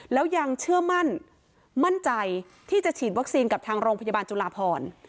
แล้วยังเชื่อมั่นมั่นใจที่จะฉีดวัคซีนกับทางโรงพยาบาลจุลาพร